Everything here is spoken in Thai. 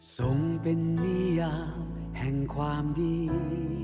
ส่งเป็นนิยามแห่งความดี